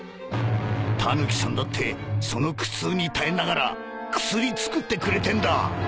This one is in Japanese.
タヌキさんだってその苦痛に耐えながら薬つくってくれてんだ。